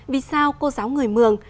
vì sao cô giáo người mường